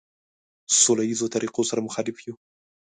سوله ایزو طریقو سره مخالف یو.